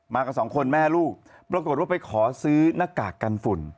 กับสองคนแม่ลูกปรากฏว่าไปขอซื้อหน้ากากกันฝุ่น